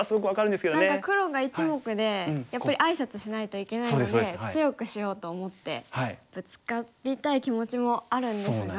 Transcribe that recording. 何か黒が１目でやっぱりあいさつしないといけないので強くしようと思ってブツカりたい気持ちもあるんですが。